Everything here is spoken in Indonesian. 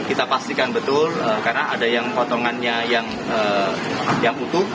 kita pastikan betul karena ada yang potongannya yang utuh